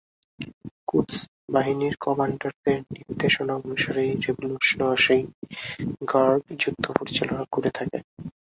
কুদস বাহিনীর কমান্ডারদের নির্দেশনা অনুসারেই রেভল্যুশনারি গার্ড যুদ্ধ পরিচালনা করে থাকে।